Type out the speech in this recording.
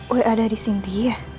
apa ada di sini